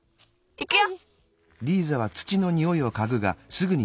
いくよ！